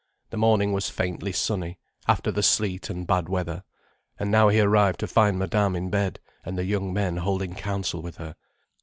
The morning was faintly sunny, after the sleet and bad weather. And now he arrived to find Madame in bed and the young men holding council with her.